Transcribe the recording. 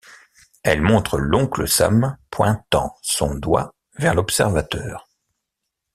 Elle montre l'Oncle Sam pointant son doigt vers l'observateur.